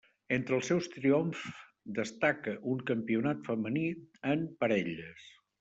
Entre els seus triomfs destaca un Campionat Femení en Parelles.